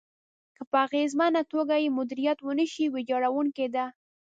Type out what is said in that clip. که په اغېزمنه توګه يې مديريت ونشي، ويجاړونکې ده.